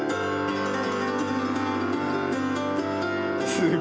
すごいな！